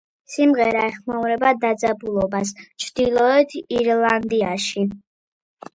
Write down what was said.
სიმღერა ეხმაურება დაძაბულობას ჩრდილოეთ ირლანდიაში.